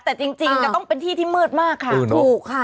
แต่จริงมันต้องเป็นที่ที่มืดมากค่ะเออเนอะถูกค่ะ